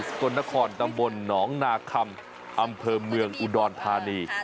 กลนครตำบลหนองนาคำอำเภอเมืองอุดรธานี